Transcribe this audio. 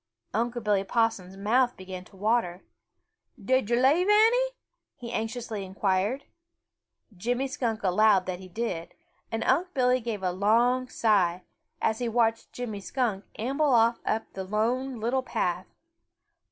Unc' Billy Possum's mouth began to water. "Did yo' leave any?" he anxiously inquired. Jimmy Skunk allowed that he did, and Unc' Billy gave a long sigh, as he watched Jimmy Skunk amble off up the Lone Little Path.